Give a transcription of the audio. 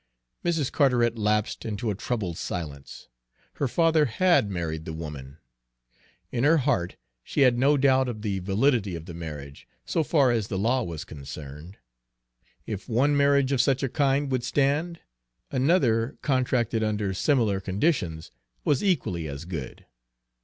Mrs. Carteret lapsed into a troubled silence. Her father had married the woman. In her heart she had no doubt of the validity of the marriage, so far as the law was concerned; if one marriage of such a kind would stand, another contracted under similar conditions was equally as good.